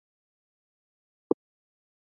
ژبه د بې وزله غږ رسوي